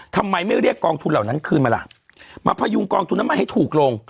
ทำไมไม่เรียกกองทุนเหล่านั้นคืนมาล่ะมาพยุงกองทุนน้ำมันให้ถูกลง